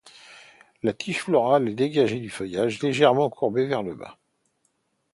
La tige florale est dégagée du feuillage, légèrement courbée vers le bas.